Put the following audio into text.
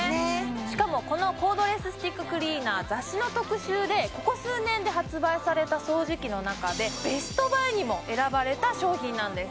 しかもこのコードレススティッククリーナー雑誌の特集でここ数年で発売された掃除機の中でベストバイにも選ばれた商品なんです